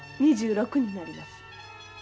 ２６になります。